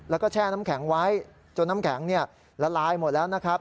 แล้วก็แช่น้ำแข็งไว้จนน้ำแข็งละลายหมดแล้วนะครับ